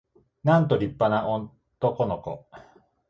なんと立派な男の子